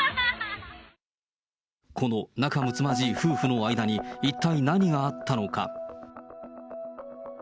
この仲むつまじい夫婦の間に、一体何があったのか。